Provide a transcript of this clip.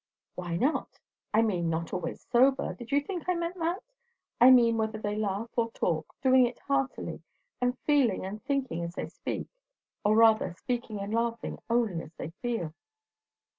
"Why not? I mean, not always sober; did you think I meant that? I mean, whether they laugh or talk, doing it heartily, and feeling and thinking as they speak. Or rather, speaking and laughing only as they feel."